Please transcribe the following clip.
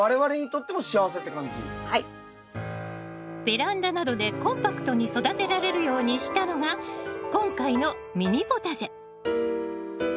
ベランダなどでコンパクトに育てられるようにしたのが今回のミニポタジェ。